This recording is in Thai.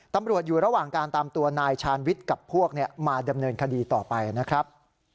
ตำรวจอยู่ระหว่างการตามตัวนายชาญวิทย์กับพวกมาดำเนินคดีต่อไปนะครับ